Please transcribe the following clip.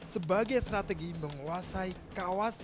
sebagai strategi menguasai kawasan